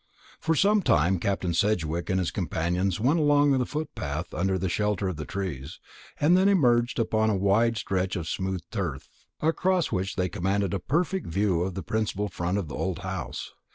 For some time Captain Sedgewick and his companions went along a footpath under the shelter of the trees, and then emerged upon a wide stretch of smooth turf, across which they commanded a perfect view of the principal front of the old house.